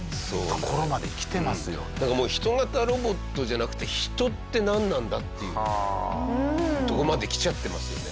だからもうヒト型ロボットじゃなくて「ヒト」ってなんなんだ？っていうとこまできちゃってますよね。